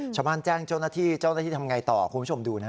ชาวบ้านแจ้งเจ้าหน้าที่เจ้าหน้าที่ทำยังไงต่อคุณผู้ชมดูนะ